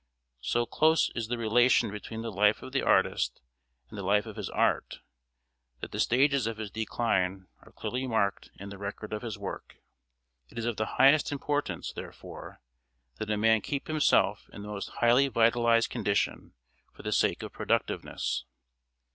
So close is the relation between the life of the artist and the life of his art that the stages of his decline are clearly marked in the record of his work. It is of the highest importance, therefore, that a man keep himself in the most highly vitalised condition for the sake of productiveness.